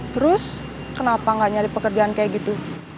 terus kenapa gak nyari pekerjaan kayak gitu